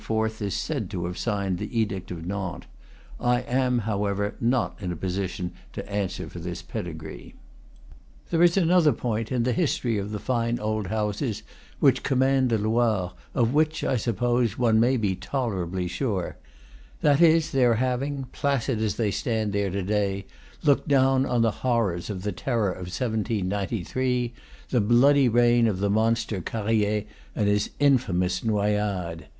is said to have signed the Edict of Nantes. I am, however, not in a position to answer for this pedigree. There is another point in the history of the fine old houses which command the Loire, of which, I sup pose, one may be tolerably sure; that is, their having, placid as they stand there to day, looked down on the horrors of the Terror of 1793, the bloody reign of the monster Carrier and his infamous noyades.